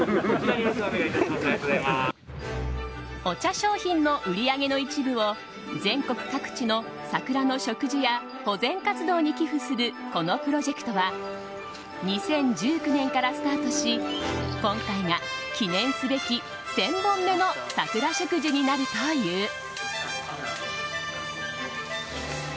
お茶商品の売り上げの一部を全国各地の桜の植樹や保全活動に寄付するこのプロジェクトは２０１９年からスタートし今回が記念すべき１０００本目の桜植樹になるという。